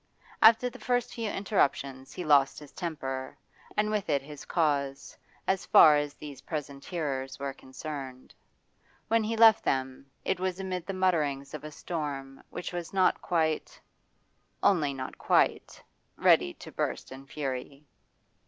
After the first few interruptions he lost his temper, and with it his cause, as far as these present hearers were concerned. When he left them, it was amid the mutterings of a storm which was not quite only not quite ready to burst in fury.